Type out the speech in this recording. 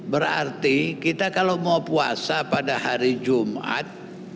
berarti kita kalau mau puasa pada hari jumat